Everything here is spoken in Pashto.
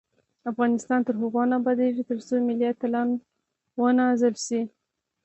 افغانستان تر هغو نه ابادیږي، ترڅو ملي اتلان ونازل شي.